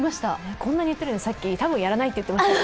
こんなに言ってるのに、さっき多分やらないと言ってましたね。